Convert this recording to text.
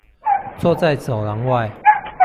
坐在走廊外